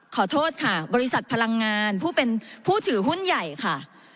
ขอโทษค่ะบริษัทพลังงานผู้เป็นผู้ถือหุ้นใหญ่ค่ะ